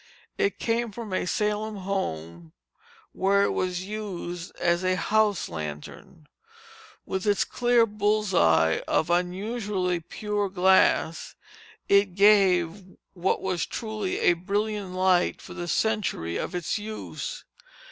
It came from a Salem home, where it was used as a house lantern. With its clear bull's eyes of unusually pure glass, it gave what was truly a brilliant light for the century of its use.